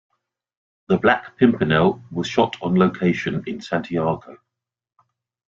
"The Black Pimpernel" was shot on location in Santiago.